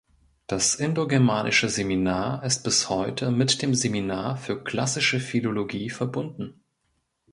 Das Indogermanische Seminar ist bis heute mit dem Seminar für Klassische Philologie verbunden.